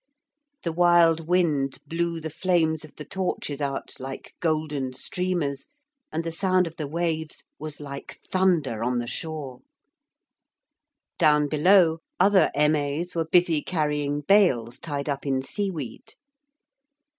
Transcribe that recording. The wild wind blew the flames of the torches out like golden streamers, and the sound of the waves was like thunder on the shore. Down below other M.A.'s were busy carrying bales tied up in seaweed.